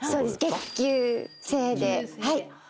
月給制で。